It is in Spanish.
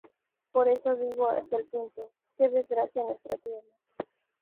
Por eso digo hasta el punto: ¡Que desgracia en nuestra tierra!